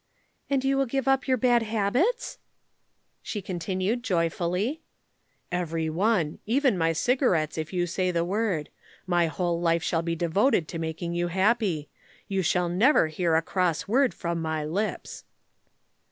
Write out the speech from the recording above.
"And you will give up your bad habits?" she continued joyfully. "Every one. Even my cigarettes, if you say the word. My whole life shall be devoted to making you happy. You shall never hear a cross word from my lips."